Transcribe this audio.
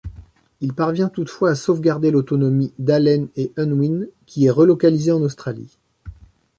Il parvient toutefois à sauvegarder l'autonomie d'Allen & Unwin, qui est relocalisée en Australie.